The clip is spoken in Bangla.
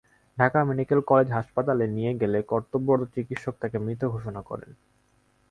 ঢাকা মেডিকেল কলেজ হাসপাতালে নিয়ে গেলে কর্তব্যরত চিকিৎসক তাঁকে মৃত ঘোষণা করেন।